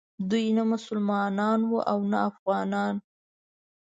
دوی نه مسلمانان وو او نه افغانان.